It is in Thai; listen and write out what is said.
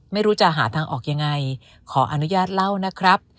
ไม่รู้จะหาทางออกยังไงขออนุญาตเล่านะครับ